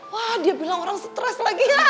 wah dia bilang orang stress lagi